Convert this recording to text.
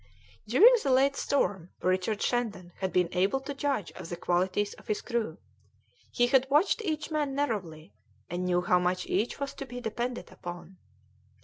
During the late storm Richard Shandon had been able to judge of the qualities of his crew; he had watched each man narrowly, and knew how much each was to be depended upon.